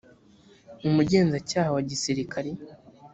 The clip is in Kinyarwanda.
umugenzacyaha wa gisirikari